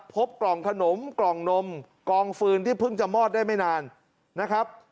พบกล่องขนมกล่องนมกองฟืนที่เพิ่งจะมอดได้ไม่นานนะครับ